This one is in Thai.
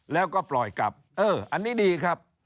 แล้วก็ปล่อยกลับเอออันนี้ดีครับ